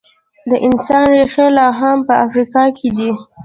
د انسان ریښې لا هم په افریقا کې دي.